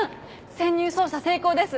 潜入捜査成功です。